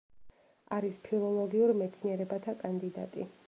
არის ფილოლოგიურ მეცნიერებათა კანდიდატი.